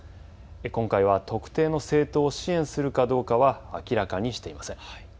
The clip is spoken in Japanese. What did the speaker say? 今回は特定の政党を支援するかどうかは明らかにしていません。